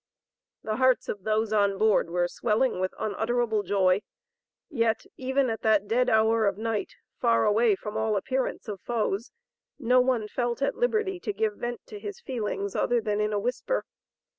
The hearts of those on board were swelling with unutterable joy; yet even at that dead hour of night, far away from all appearance of foes, no one felt at liberty to give vent to his feelings other than in a whisper.